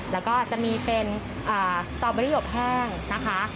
แล้วก็จะมีเป็นสตอเบอรี่อบแห้งนะคะ